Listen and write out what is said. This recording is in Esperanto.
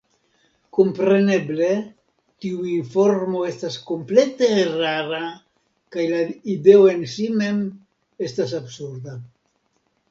Kompreneble tiu informo estas komplete erara, kaj la ideo en si mem estas absurda.